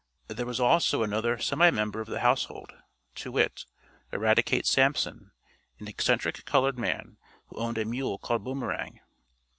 There was also another semi member of the household, to wit, Eradicate Sampson, an eccentric colored man, who owned a mule called Boomerang.